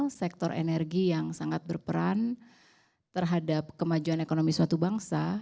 untuk sektor energi yang sangat berperan terhadap kemajuan ekonomi suatu bangsa